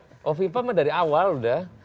bukoviva mah dari awal udah